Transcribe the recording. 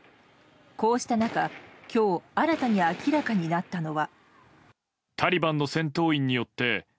こうした中、今日新たに明らかになったのは。